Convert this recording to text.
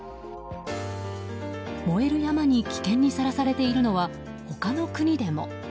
燃える山に危険にさらされているのは他の国でも。